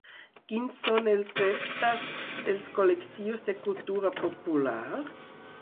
Quins són els reptes dels col·lectius de cultura popular?